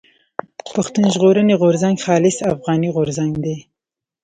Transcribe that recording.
پښتون ژغورني غورځنګ خالص افغاني غورځنګ دی.